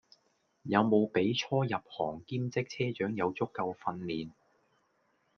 有無俾初入行兼職車長有足夠訓練?